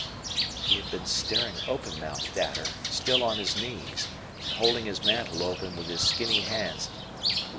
He had been staring open mouthed at her, still on his knees, and holding his mantle open with his skinny hands.